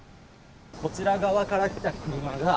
こちら側から来た車が。